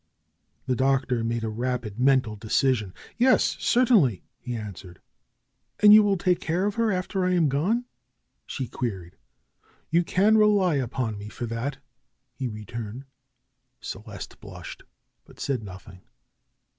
The Doctor made a rapid mental decision. '^Yes, certainly !" he answered. ^'And you will take care of her after I am gone?" she queried. ^^You can rely upon me for that," he returned. Celeste blushed, but said nothing.